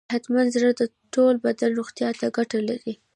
صحتمند زړه د ټول بدن روغتیا ته ګټه لري.